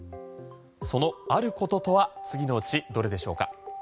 そのあることとは次のうちどれでしょうか？